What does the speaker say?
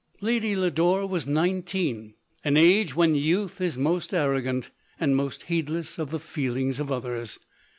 Lady Lodore was nineteen ; an age when youth is most arrogant, and most heedless of the feel ings of others.